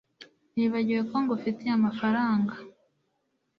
Nibagiwe ko ngufitiye amafaranga